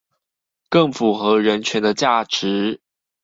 更符合人權的價值